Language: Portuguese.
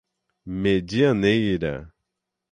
Medianeira